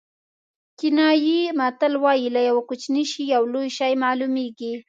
کینیايي متل وایي له یوه کوچني شي یو لوی شی معلومېږي.